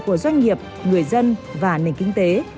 của doanh nghiệp người dân và nền kinh tế